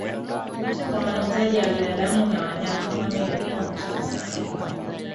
Kwa mahitaji ya binadamu na wanyama kwani yalikuwa machafu sana